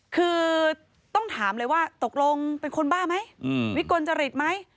คือต้องถามเลยว่าตกลงเป็นคนบ้าไหมวิกลจริตไหม